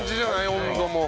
温度も。